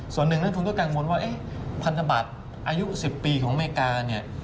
ส่วนหนึ่งนักทุนก็กังวลว่าพันธบัตรอายุ๑๐ปีของอเมริกาเนี่ย